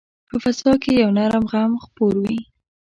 په فضا کې یو نرم غم خپور وي